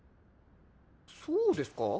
そうですか？